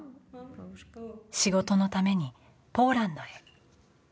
仕事のためにポーランドへ。